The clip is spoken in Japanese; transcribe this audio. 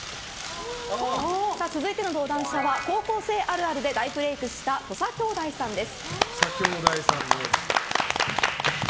続いての登壇者は高校生あるあるで大ブレークした土佐兄弟さんです。